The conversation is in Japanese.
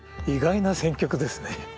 意外な選曲ですね。